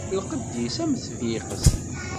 Lqedd-is am tbiqest.